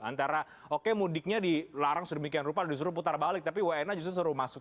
antara oke mudiknya dilarang sedemikian rupa disuruh putar balik tapi wna justru suruh masuk